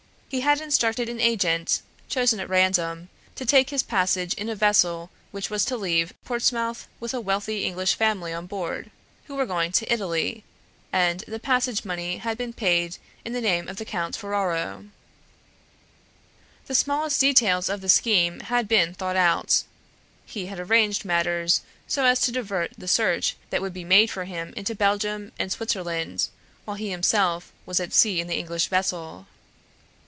He had instructed an agent (chosen at random) to take his passage in a vessel which was to leave Portsmouth with a wealthy English family on board, who were going to Italy, and the passage money had been paid in the name of the Conte Ferraro. The smallest details of the scheme had been thought out. He had arranged matters so as to divert the search that would be made for him into Belgium and Switzerland, while he himself was at sea in the English vessel.